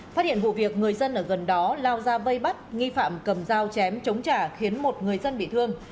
phát hiện vụ việc người dân ở gần đó lao ra vây bắt nghi phạm cầm dao chém chống trả khiến một người dân bị thương